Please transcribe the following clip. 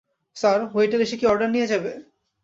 Sir, waiter এসে কি order নিয়ে যাবে?